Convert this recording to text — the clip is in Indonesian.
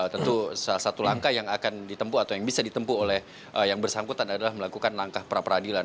tentu salah satu langkah yang akan ditempu atau yang bisa ditempu oleh yang bersangkutan adalah melakukan langkah pra peradilan